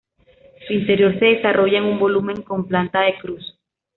Su interior se desarrolla en un volumen con planta de cruz.